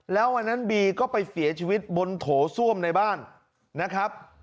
แล้ววันนั้นบีก็ไปเสียชีวิตบนโถส้วมในบ้านนะครับ